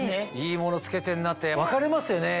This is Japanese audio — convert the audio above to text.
いいもの着けてんなって分かりますよね